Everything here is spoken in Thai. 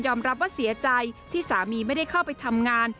รับว่าเสียใจที่สามีไม่ได้เข้าไปทำงาน